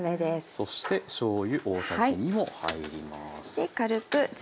そしてしょうゆ大さじ２も入ります。